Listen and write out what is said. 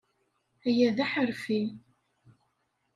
Aya d aḥerfi.